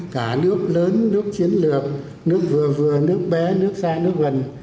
cả nước lớn nước chiến lược nước vừa vừa nước bé nước xa nước gần